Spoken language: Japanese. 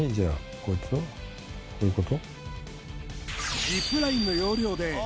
こういうこと？